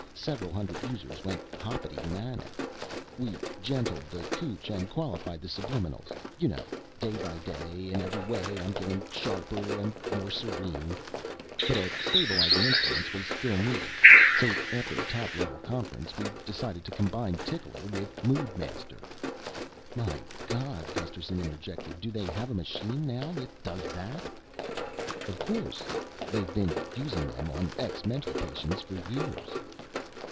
Several hundred users went hoppity manic. We gentled the cootch and qualified the subliminals you know, 'Day by day in every way I'm getting sharper and more serene' but a stabilizing influence was still needed, so after a top level conference we decided to combine Tickler with Moodmaster." "My God," Gusterson interjected, "do they have a machine now that does that?" "Of course. They've been using them on ex mental patients for years."